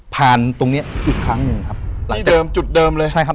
ตรงเนี้ยอีกครั้งหนึ่งครับที่เดิมจุดเดิมเลยใช่ครับ